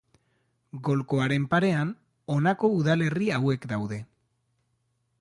Golkoaren parean, honako udalerri hauek daude.